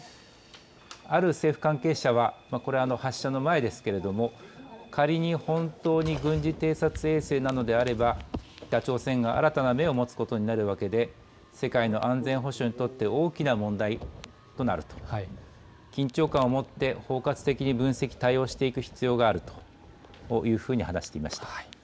ある政府関係者はこれは発射の前ですが仮に本当に軍事偵察衛星なのであれば北朝鮮が新たな目を持つことになるわけで世界の安全保障にとって大きな問題となると、緊張感を持って包括的に分析、対応していく必要があるというふうに話していました。